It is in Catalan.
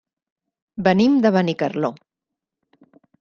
Venim de Benicarló.